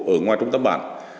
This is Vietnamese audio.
ở ngoài trung tâm bản